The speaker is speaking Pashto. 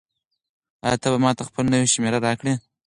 آیا ته به ماته خپله نوې شمېره راکړې؟